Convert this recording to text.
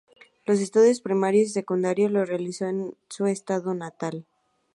Los estudios primarios y secundarios los realizó en su estado natal.